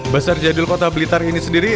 bazar jadil kota blitar ini sendiri